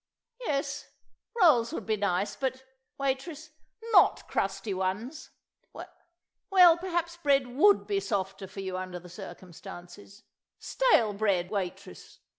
... Yes, rolls would be nice, but—— Waitress! Not crusty ones! ... Well, perhaps bread would be softer for you under the circumstances. Stale bread, waitress!